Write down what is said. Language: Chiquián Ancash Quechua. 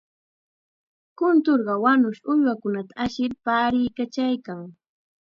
Kunturqa wañushqa uywakunata ashir paariykachaykan.